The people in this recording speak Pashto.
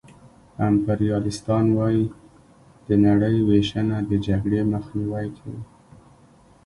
امپریالیستان وايي د نړۍ وېشنه د جګړې مخنیوی کوي